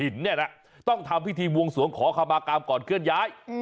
เนี่ยนะต้องทำพิธีบวงสวงขอคำมากรรมก่อนเคลื่อนย้าย